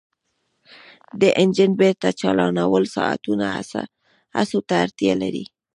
د انجن بیرته چالانول ساعتونو هڅو ته اړتیا لري